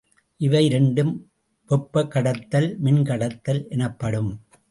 இவை இரண்டும் வெப்பக்கடத்தல், மின்கடத்தல் எனப்படும்.